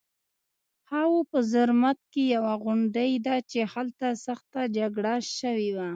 خاوو په زرمت کې یوه غونډۍ ده چې هلته سخته جګړه شوې وه